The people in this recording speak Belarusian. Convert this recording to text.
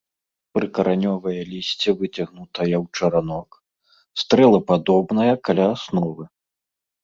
Прыкаранёвае лісце выцягнутае ў чаранок, стрэлападобнае каля асновы.